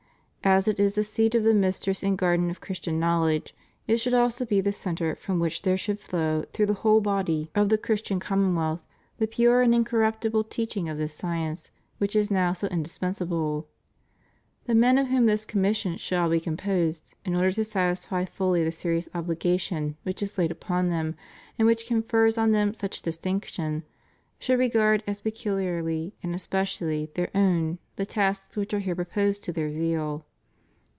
As it is the seat of the mistress and guardian of Christian knowledge, it should also be the centre from which there should flow through the whole body of th« THB BIBLICAL COMMISSION. 539 Christian commonwealth the pure and incorruptible teaching of this science which is now so indispensable. The men of whom this commission shall be composed, in order to satisfy fully the serious obligation which is laid upon them and which confers on them such distinc tion, should regard as peculiarly and especially their own the tasks which are here proposed to their zeal.